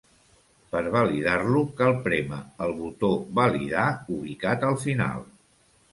Per validar-lo, cal prémer el botó "validar" ubicat al final.